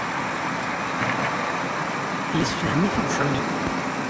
Yessefhem-it-id Sami.